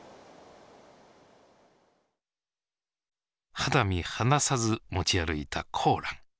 肌身離さず持ち歩いたコーラン。